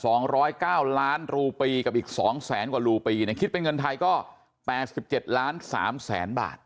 สองร้อยเก้าล้านรูปีกับอีกสองแสนกว่ารูปีเนี่ยคิดเป็นเงินไทยก็แปดสิบเจ็ดล้านสามแสนบาท